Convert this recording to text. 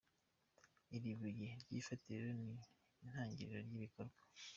Iri buye ry’ifatiyo ni intangiriro y’ibikorwa.